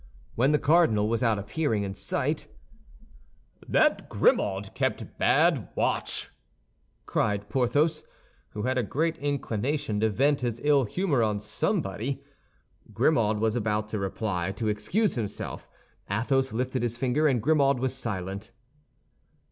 When the cardinal was out of hearing and sight, "That Grimaud kept bad watch!" cried Porthos, who had a great inclination to vent his ill humor on somebody. Grimaud was about to reply to excuse himself. Athos lifted his finger, and Grimaud was silent.